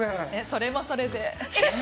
それも、それで。